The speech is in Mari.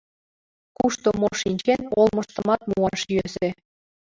Кушто мо шинчен — олмыштымат муаш йӧсӧ.